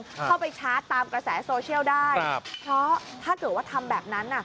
เข้าไปชาร์จตามกระแสโซเชียลได้ครับเพราะถ้าเกิดว่าทำแบบนั้นน่ะ